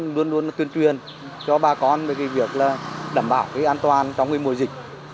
một mặt là vẫn luôn luôn tuyên truyền cho bà con về cái việc là đảm bảo cái an toàn trong cái mùa dịch